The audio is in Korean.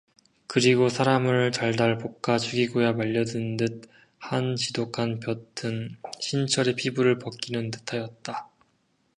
그리고 사람을 달달 볶아 죽이고야 말려는듯 한 지독한 볕은 신철의 피부를 벗기는 듯하였다.